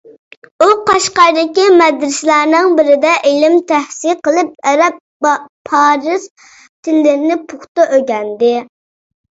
ئۇ قەشقەردىكى مەدرىسەلەرنىڭ بىرىدە ئىلىم تەھسىل قىلىپ، ئەرەب، پارس تىللىرىنى پۇختا ئۆگەندى.